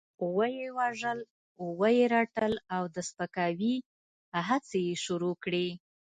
وه يې وژل، وه يې رټل او د سپکاوي هڅې يې شروع کړې.